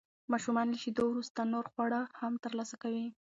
ماشومان له شیدو وروسته نور خواړه هم ترلاسه کوي.